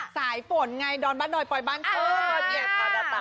สายฝนงานมนตร์ดอนบ้านนอยปล่อยบ้านเกิน